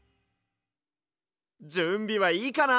じゅんびはいいかな？